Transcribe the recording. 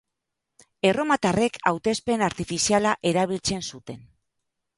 Erromatarrek hautespen artifiziala erabiltzen zuten.